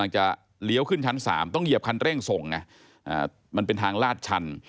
ต้องเหยียบคันเร่งส่งมันเป็นทางลาดชั้น